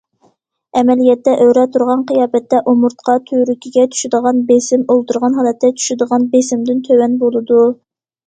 ئەمەلىيەتتە ئۆرە تۇرغان قىياپەتتە ئومۇرتقا تۈۋرۈكىگە چۈشىدىغان بېسىم ئولتۇرغان ھالەتتە چۈشىدىغان بېسىمدىن تۆۋەن بولىدۇ.